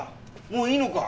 もういいのか？